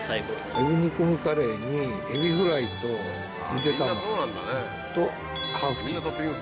エビにこみカレーにエビフライとゆで卵。とハーフチーズ。